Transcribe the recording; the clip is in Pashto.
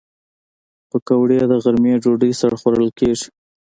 پکورې د غرمې ډوډۍ سره خوړل کېږي